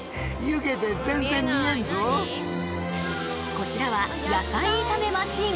こちらは野菜炒めマシン。